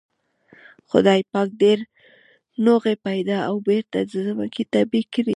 خدای پاک ډېر نوغې پيدا او بېرته د ځمکې تبی کړې.